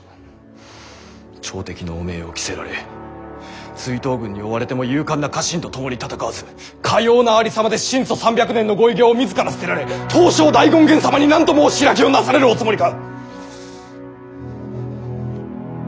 朝敵の汚名を着せられ追討軍に追われても勇敢な家臣と共に戦わずかようなありさまで神祖三百年のご偉業を自ら捨てられ東照大権現様に何と申し開きをなされるおつもりか！」。